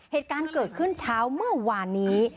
เหตุการณ์เกิดขึ้นเช้าเมื่อวานนี้